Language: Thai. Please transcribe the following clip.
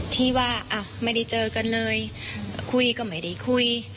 ที่ว่าไม่ได้เจอกันเลยคุยก็ไม่ได้คุย